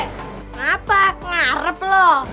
kenapa ngarap lu